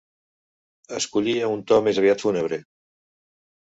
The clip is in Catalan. Escollia un to més aviat fúnebre.